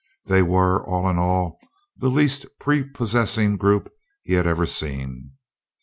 They were, all in all, the least prepossessing group he had ever seen.